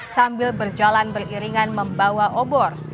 sambil berjalan beriringan membawa obor